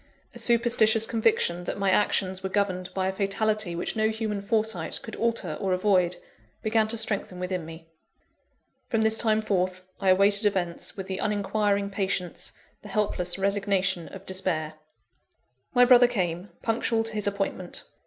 A superstitious conviction that my actions were governed by a fatality which no human foresight could alter or avoid, began to strengthen within me. From this time forth, I awaited events with the uninquiring patience, the helpless resignation of despair. My brother came, punctual to his appointment.